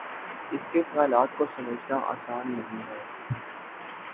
اس کے خیالات کو سمجھنا آسان نہیں ہے